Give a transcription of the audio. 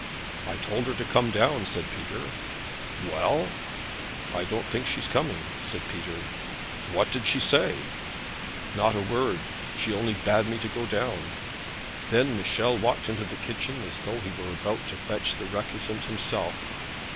'I told her to come down,' said Peter. 'Well?' 'I don't think she's coming,' said Peter. 'What did she say?' 'Not a word; she only bade me go down.' Then Michel walked into the kitchen as though he were about to fetch the recusant himself.